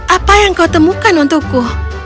apa yang kau temukan untukku